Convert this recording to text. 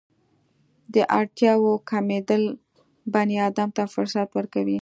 د اړتیاوو کمېدل بني ادم ته فرصت ورکوي.